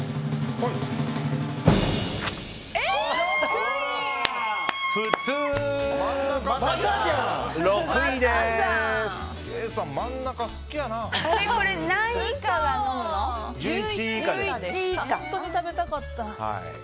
本当に食べたかった。